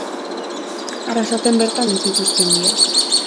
Arrasaten bertan hil zituzten biak.